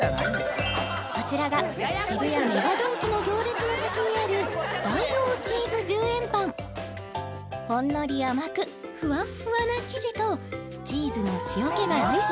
こちらが渋谷ＭＥＧＡドンキの行列の先にあるほんのり甘くふわっふわな生地とチーズの塩気が相性